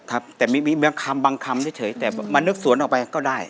ครับแต่มีบางคำบางคำเฉยแต่มันนึกสวนออกไปก็ได้